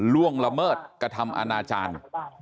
ล่วงละเมิดกระทำอนาจารย์